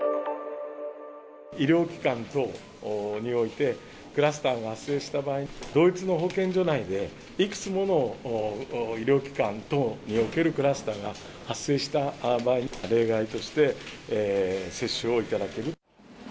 医療機関等においてクラスターが発生した場合、同一の保健所内でいくつもの医療機関等におけるクラスターが発生した場合、例外として接種をいただける。